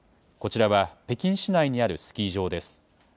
こちらは北京市内にあるスキー場です。